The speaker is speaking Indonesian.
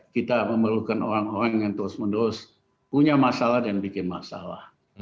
kita memerlukan orang orang yang terus menerus punya masalah dan bikin masalah